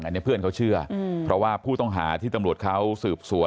อันนี้เพื่อนเขาเชื่อเพราะว่าผู้ต้องหาที่ตำรวจเขาสืบสวน